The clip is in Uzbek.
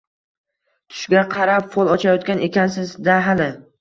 -Tushga qarab fol ochayotgan ekansiz-da hali.